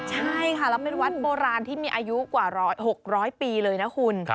ใช่ค่ะแล้วเป็นวัดโบราณที่มีอายุกว่า๖๐๐ปีเลยนะคุณ